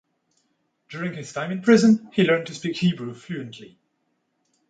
During his time in prison, he learned to speak Hebrew fluently.